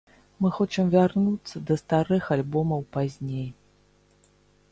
Мы хочам вярнуцца да старых альбомаў пазней.